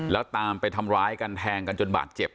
แล้วตามไปทำร้ายกันแทงกันจนบาดเจ็บ